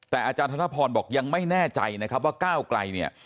แต่อาจารย์ธนพรบอกยังไม่แน่ใจนะครับว่าก้าวไกลเนี่ย